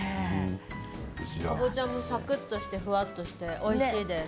かぼちゃもサクっとしてふわっとしておいしいです。